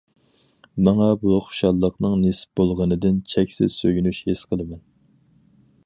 ماڭا بۇ خۇشاللىقنىڭ نېسىپ بولغىنىدىن چەكسىز سۆيۈنۈش ھېس قىلىمەن.